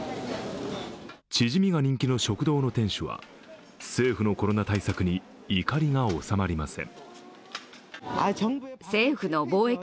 チジミが人気の食堂の店主は、政府のコロナ対策に怒りが収まりません。